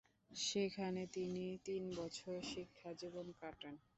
সেখানে তিনি তিন বছর শিক্ষাজীবন কাটান।